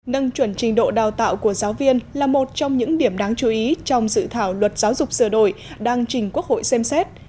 nâng chuẩn trình độ đào tạo của giáo viên là một trong những điểm đáng chú ý trong dự thảo luật giáo dục sửa đổi đang trình quốc hội xem xét